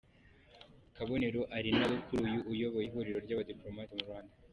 Kabonero, ari nawe kuri ubu uyoboye ihuriro rw’abadipolomate mu Rwanda.